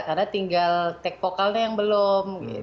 karena tinggal take vokalnya yang belum